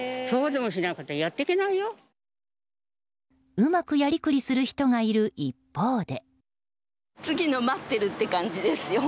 うまくやり繰りする人がいる一方で。